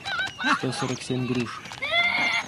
сто сорок семь груш